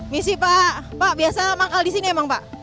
misi pak pak biasa manggal di sini emang pak